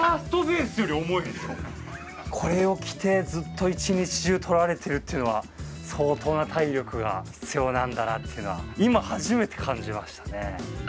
これを着てずっと一日中撮られてるっていうのは相当な体力が必要なんだなっていうのは今初めて感じましたね。